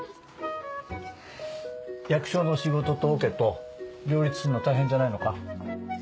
役所の仕事とオケと両立するの大変じゃないのか？